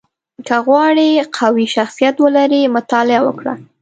• که غواړې قوي شخصیت ولرې، مطالعه وکړه.